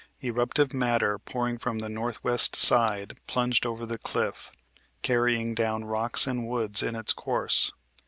Eruptive matter pouring from the northwest side plunged over the cliff, carrying down rocks and woods in its course.